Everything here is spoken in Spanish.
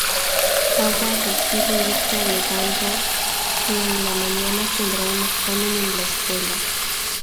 Sawa decide irse alegando que en la mañana tendrá un examen en la escuela.